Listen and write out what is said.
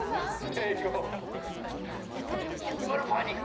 アニマルパニック。